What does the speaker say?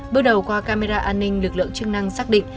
bước đầu qua camera an ninh lực lượng chức năng xác định